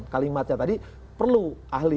kalimatnya tadi perlu ahli